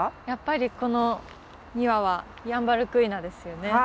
やっぱりこの２羽はヤンバルクイナですよね。